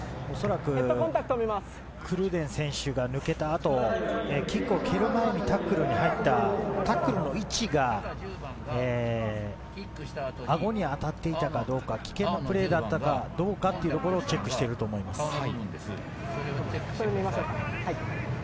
おそらくクルーデン選手が抜けた後、キックを蹴る前にタックルに入ったタックルの位置があごに当たっていたかどうか、危険プレーだったかどうかというところをチェックしていると思います。